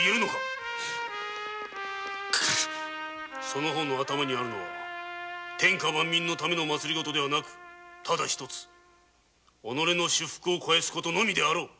その方の頭にあるのは天下万民のための政ではなくただ一つ己の私腹を肥やす事のみであろう。